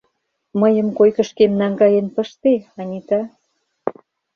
— Мыйым койкышкем наҥгаен пыште, Анита.